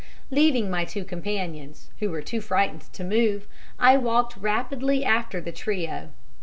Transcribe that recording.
Leaving my two companions, who were too frightened to move, I walked rapidly after the trio.